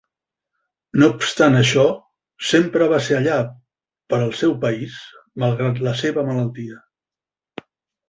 No obstant això, sempre va ser allà per al seu país malgrat la seva malaltia.